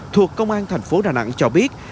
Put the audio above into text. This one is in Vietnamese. thuộc công an thành phố đà nẵng cho biết